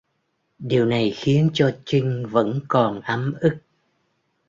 Điều này khiến cho Trinh vẫn còn ấm ức